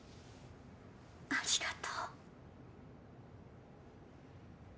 ありがとう。